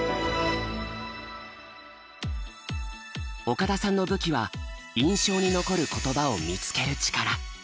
岡田さんの武器は印象に残る言葉を見つける力。